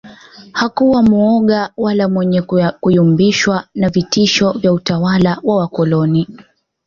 Hakuwa muoga wala mwenye kuyumbishwa na vitisho vya utawala wa wakoloni